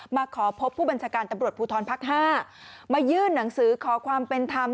มาขอพบผู้บัญชาการตำรวจภูทรภักดิ์๕มายื่นหนังสือขอความเป็นธรรม